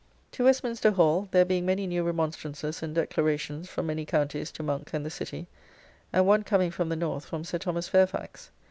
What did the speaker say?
] To Westminster Hall, there being many new remonstrances and declarations from many counties to Monk and the City, and one coming from the North from Sir Thomas Fairfax.